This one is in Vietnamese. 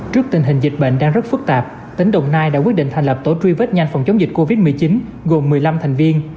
trước tình hình dịch bệnh đang rất phức tạp tỉnh đồng nai đã quyết định thành lập tổ truy vết nhanh phòng chống dịch covid một mươi chín gồm một mươi năm thành viên